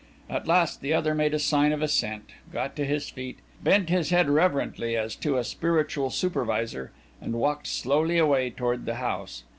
At last the other made a sign of assent, got to his feet, bent his head reverently as to a spiritual superior and walked slowly away toward the house.